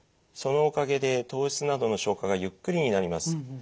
そのおかげで糖質などの消化がゆっくりになります。